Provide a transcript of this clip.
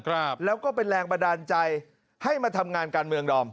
ครับแล้วก็เป็นแรงบันดาลใจให้มาทำงานการเมืองดอม